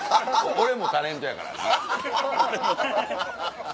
俺もタレントやからな。